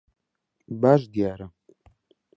باش دیارە.